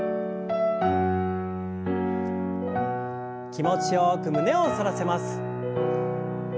気持ちよく胸を反らせます。